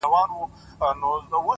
چي تا تر دې لا هم ښايسته كي گراني!